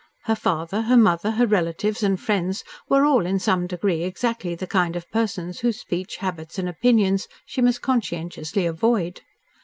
Her father, her mother, her relatives, and friends were all in some degree exactly the kind of persons whose speech, habits, and opinions she must conscientiously avoid.